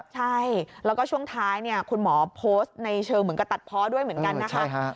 ใช่แล้วก็ช่วงท้ายคุณหมอโพสต์ในเชิงเหมือนกับตัดเพาะด้วยเหมือนกันนะคะ